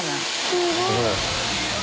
すごい。